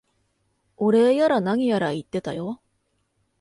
お礼やら何やら言ってたよ。